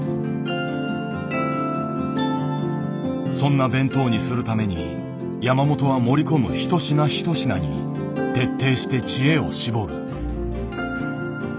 そんな弁当にするために山本は盛り込む一品一品に徹底して知恵を絞る。